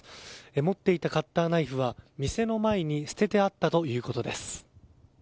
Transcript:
持っていたカッターナイフは店の前に捨ててあったということです。